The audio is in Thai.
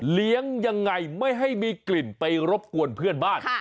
เลี้ยงยังไงไม่ให้มีกลิ่นไปรบกวนเพื่อนบ้าน